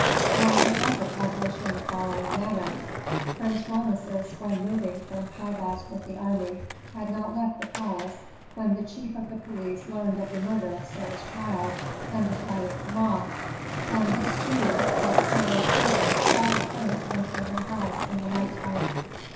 And it was accomplished in the following manner: Prince Rameses, when moving from Pi Bast with the army, had not left the palace when the chief of the police learned of the murder of Sarah's child, and the flight of Kama, and this, too, that Sarah's servants saw the prince entering her house in the night time.